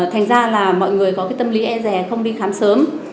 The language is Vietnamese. thành ra là mọi người có tâm lý e ngại